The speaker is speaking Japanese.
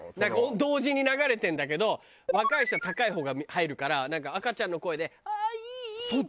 同時に流れてるんだけど若い人は高い方が入るからなんか赤ちゃんの声で「あーいーいー」って。